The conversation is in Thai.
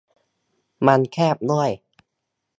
มันแคบด้วย